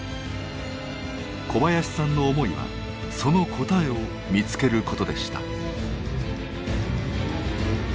小林さんの思いはその答えを見つけることでした。